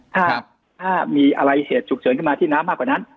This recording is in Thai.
ถ้ามีอะไรเหตุฉุกเฉินขึ้นมาที่น้ำมากกว่านั้น